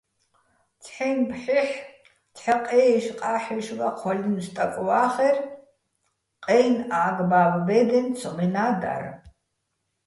ცჰ̦აჲნი̆ ფჰ̦ეჰ̦ ცჰ̦ა ყე́იშ-ყა́ჰ̦ეშ ვაჴვაჲლნო̆ სტაკ ვა́ხერ, ყეჲნი̆ ა́გ-ბა́ბო̆ ბე́დეჼ ცომენა́ დარ.